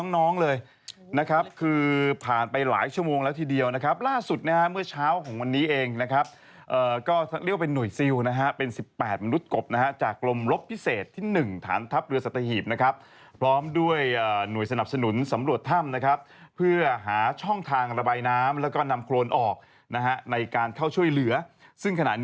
น้องเลยนะครับคือผ่านไปหลายชั่วโมงแล้วทีเดียวนะครับล่าสุดนะฮะเมื่อเช้าของวันนี้เองนะครับก็เรียกว่าเป็นหน่วยซิลนะฮะเป็น๑๘มนุษย์กบนะฮะจากกลมลบพิเศษที่๑ฐานทัพเรือสัตหีบนะครับพร้อมด้วยหน่วยสนับสนุนสำรวจถ้ำนะครับเพื่อหาช่องทางระบายน้ำแล้วก็นำโครนออกนะฮะในการเข้าช่วยเหลือซึ่งขณะนี้